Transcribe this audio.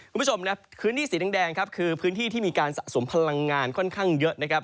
คุณผู้ชมครับพื้นที่สีแดงครับคือพื้นที่ที่มีการสะสมพลังงานค่อนข้างเยอะนะครับ